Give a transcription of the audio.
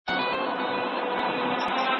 چېري د حقونو د خوندیتوب غوښتنه کیږي؟